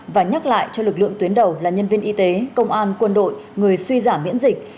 và nhắc lại cho lực lượng tuyến đầu là nhân viên y tế công an quân đội người suy giảm miễn dịch